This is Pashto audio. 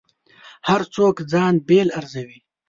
هر څوک ځان بېل ارزوي.